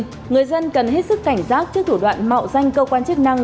các vận động viên cần hết sức cảnh giác trước thủ đoạn mạo danh cơ quan chức năng